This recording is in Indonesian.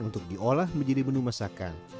untuk diolah menjadi menu masakan